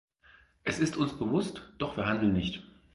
Es ist uns bewusst, doch wir handeln nicht.